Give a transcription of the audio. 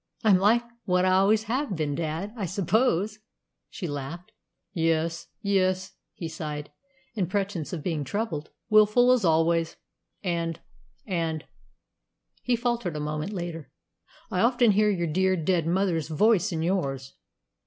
"I'm like what I always have been, dad, I suppose," she laughed. "Yes, yes," he sighed, in pretence of being troubled. "Wilful as always. And and," he faltered a moment later, "I often hear your dear dead mother's voice in yours."